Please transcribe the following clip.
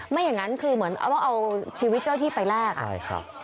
ไม่อย่างนั้นคือเหมือนต้องเอาชีวิตเจ้าหน้าที่ไปแลกอะ